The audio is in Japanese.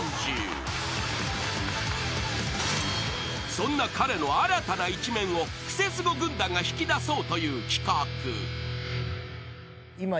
［そんな彼の新たな一面をクセスゴ軍団が引き出そうという企画］